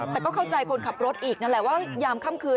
แต่ก็เข้าใจคนขับรถอีกนั่นแหละว่ายามค่ำคืน